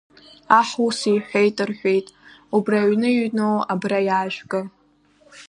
Аҳ ус иҳәеит рҳәит, убра аҩны иҩноу, абра иаажәгы!